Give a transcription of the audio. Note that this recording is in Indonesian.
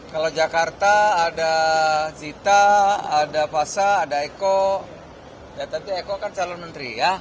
kalau jakarta ada zita ada fasa ada eko ya tentu eko kan calon menteri ya